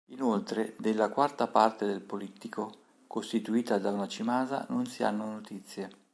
Inoltre, della quarta parte del polittico, costituita da una cimasa, non si hanno notizie.